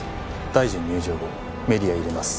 大臣入場後メディア入れます。